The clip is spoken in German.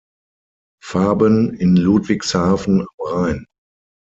Farben in Ludwigshafen am Rhein.